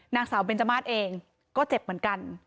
นางสาวเบนจมาสเองก็เจ็บเหมือนกัน